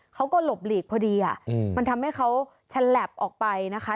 เขาก็หลบหลีกพอดีมันทำให้เขาฉลับออกไปนะคะ